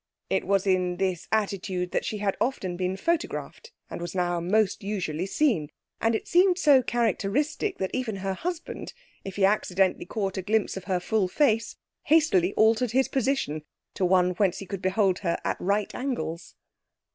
It was in this attitude that she had often been photographed and was now most usually seen; and it seemed so characteristic that even her husband, if he accidentally caught a glimpse of her full face, hastily altered his position to one whence he could behold her at right angles.